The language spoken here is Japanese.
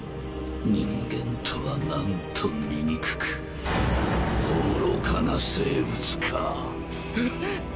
人間とはなんと醜く愚かな生物か。